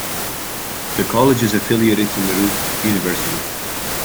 The College is affiliated to Meerut University.